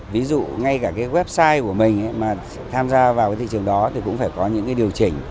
ví dụ ngay cả cái website của mình mà tham gia vào cái thị trường đó thì cũng phải có những cái điều chỉnh